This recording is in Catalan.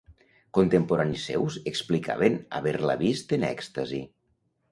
Contemporanis seus explicaven d’haver-la vist en èxtasi.